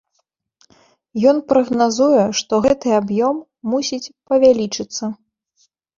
Ён прагназуе, што гэты аб'ём мусіць павялічыцца.